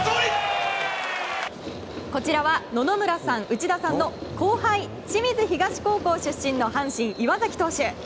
こちらは野々村さん内田さんの後輩清水東高校出身の阪神、岩崎投手。